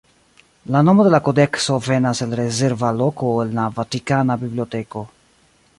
La nomo de la kodekso venas el rezerva loko en la Vatikana biblioteko.